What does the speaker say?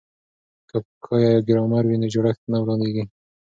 که پښویه یا ګرامر وي نو جوړښت نه ورانیږي.